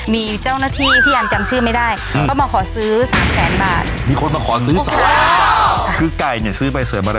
มีเจ้าหน้าที่พี่แอมจำชื่อไม่ได้เขามาขอซื้อ๓แสนบาท